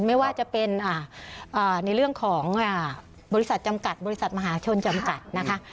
ไม่ว่าจะเป็นในเรื่องของบริษัทจำกัดบริษัทมหาชนจำกัดนะคะ